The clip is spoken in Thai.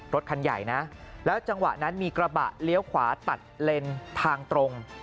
รถคันใหญ่นะแล้วจังหวะนั้นมีกระบะเลี้ยวขวาตัดเลนทางตรง